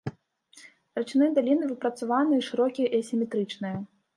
Рачныя даліны выпрацаваныя, шырокія і асіметрычныя.